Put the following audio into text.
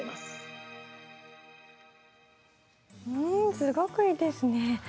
すごくいいですね。